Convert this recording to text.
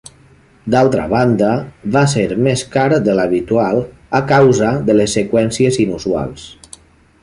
D'altra banda, va ser més car de l'habitual, a causa de les seqüències inusuals.